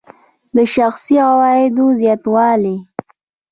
شخصي عوایدو زیاتوالی.